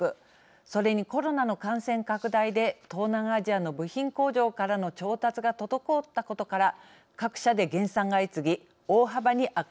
それにコロナの感染拡大で東南アジアの部品工場からの調達が滞ったことから各社で減産が相次ぎ大幅に悪化しました。